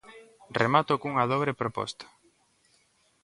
Remato cunha dobre proposta.